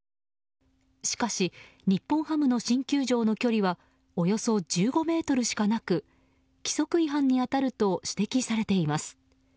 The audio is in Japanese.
しかし日本ハムの新球場の距離はおよそ１５ｍしかなく規則違反に当たると指摘されています。